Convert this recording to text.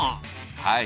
はい。